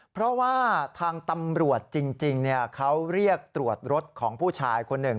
เพราะว่าทางตำรวจจริงเขาเรียกตรวจรถของผู้ชายคนหนึ่ง